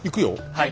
はい。